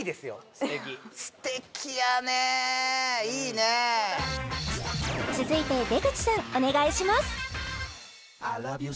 素敵素敵やねいいね続いて出口さんお願いします！